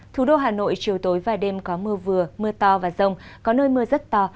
thủ đô hà nội chiều tối và đêm có mưa vừa mưa to và rông có nơi mưa rất to